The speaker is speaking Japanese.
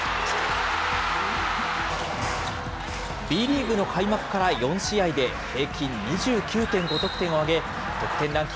Ｂリーグの開幕から４試合で平均２９．５得点を挙げ、得点ランキ